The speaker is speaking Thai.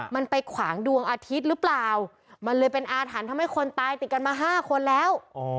มันไปขวางดวงอาทิตย์หรือเปล่ามันเลยเป็นอาถรรพ์ทำให้คนตายติดกันมา๕คนแล้ว